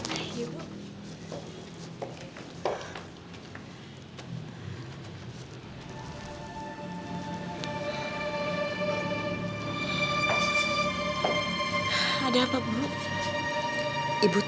aku pakai daya tebas